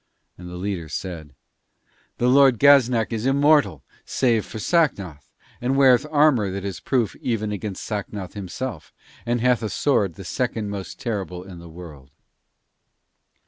And the leader said: 'The Lord Gaznak is immortal, save for Sacnoth, and weareth armour that is proof even against Sacnoth himself, and hath a sword the second most terrible in the world.'